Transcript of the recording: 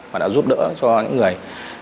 và giúp đỡ những người